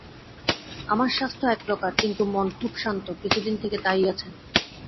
আমার স্বাস্থ্য একপ্রকার, কিন্তু মন খুব শান্ত, কিছুদিন থেকে তাই আছে।